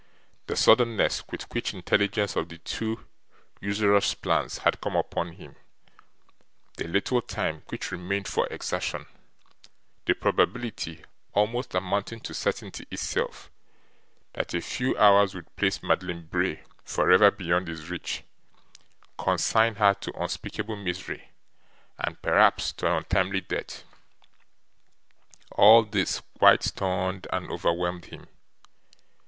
The suddenness with which intelligence of the two usurers' plans had come upon him, the little time which remained for exertion, the probability, almost amounting to certainty itself, that a few hours would place Madeline Bray for ever beyond his reach, consign her to unspeakable misery, and perhaps to an untimely death; all this quite stunned and overwhelmed him.